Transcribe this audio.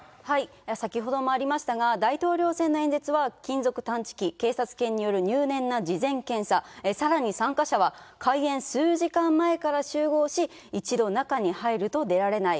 先ほどもありましたが、大統領選の演説は金属探知機、警察犬による入念な事前検査、さらに参加者は開演数時間前から集合し、一度中に入ると出られない。